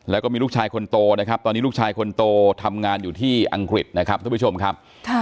แล้วก็มีลูกชายคนโตนะครับตอนนี้ลูกชายคนโตทำงานอยู่ที่อังกฤษนะครับทุกผู้ชมครับ